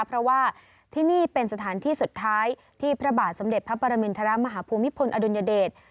เพราะว่าที่นี่เป็นสถานที่สุดท้ายที่พระบาทสมเด็จพระปรมินทรมาฮภูมิพลอดุลยเดช